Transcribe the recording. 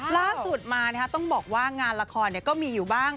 ล่าสุดมาต้องบอกว่างานละครก็มีอยู่บ้าง